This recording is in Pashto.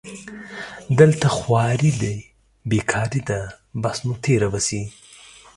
دلته خواري دې بېکاري ده بس نو تېره به شي